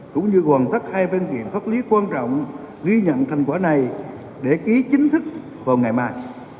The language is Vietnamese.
cũng như hoàn tất hai văn kiện pháp lý quan trọng ghi nhận thành quả này để ký chính thức vào ngày mai